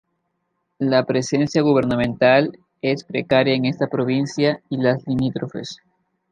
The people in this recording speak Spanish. La presencia gubernamental es precaria en esta provincia y las limítrofes.